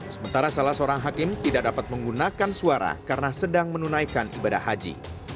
sementara salah seorang hakim tidak dapat menggunakan suara karena sedang menunaikan ibadah haji